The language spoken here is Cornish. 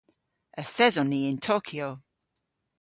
Yth eson ni yn Tokyo.